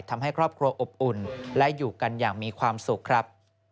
ทำให้ครอบครัวอบอุ่นและอยู่กันอย่างมีความสุขครับ